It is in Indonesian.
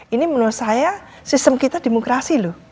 ini menurut saya sistem kita demokrasi loh